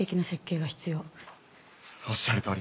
おっしゃるとおり。